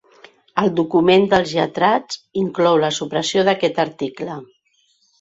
El document dels lletrats inclou la supressió d’aquest article.